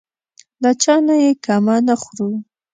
له چا نه یې کمه نه خورو.